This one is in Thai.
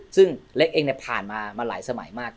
ซึ่งเล็กเองผ่านมามาหลายสมัยมาก